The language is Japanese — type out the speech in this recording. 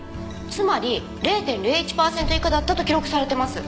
つまり０．０１パーセント以下だったと記録されてます。